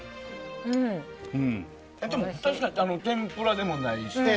でも、確かに天ぷらでもないし。